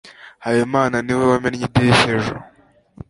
Habimana ni we wamennye idirishya ejo.